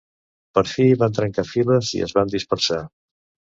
Per fi van trencar files i es van dispersar.